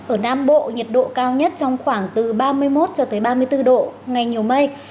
ở nam bộ nhiệt độ cao nhất trong khoảng từ ba mươi một cho tới ba mươi bốn độ ngày nhiều mây